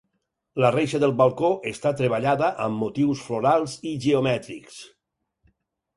La reixa del balcó està treballada amb motius florals i geomètrics.